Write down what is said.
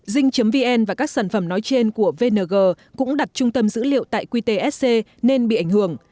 dinh vn và các sản phẩm nói trên của vng cũng đặt trung tâm dữ liệu tại qtsc nên bị ảnh hưởng